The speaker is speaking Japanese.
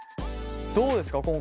どうですか？